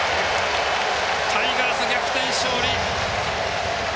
タイガース、逆転勝利！